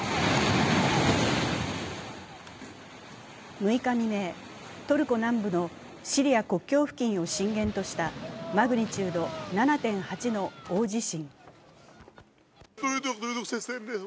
６日未明、トルコ南部のシリア国境付近を震源としたマグニチュード７．８の大地震。